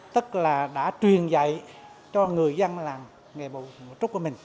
tức là đã truyền dạy cho người dân làng nghề bộ một chút của mình